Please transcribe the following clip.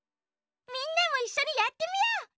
みんなもいっしょにやってみよう！